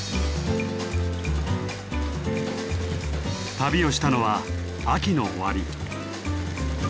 旅をしたのは秋の終わり。